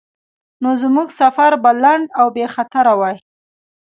نو زموږ سفر به لنډ او بیخطره وای.